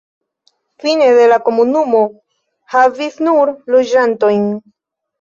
Fine de la komunumo havis nur loĝantojn.